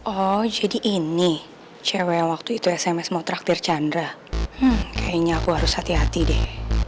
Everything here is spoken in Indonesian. oh jadi ini cewek waktu itu sms mau traktir chandra kayaknya aku harus hati hati deh